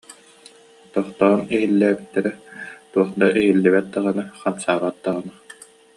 Тохтоон иһиллээбиттэрэ, туох да иһиллибэт даҕаны, хамсаабат даҕаны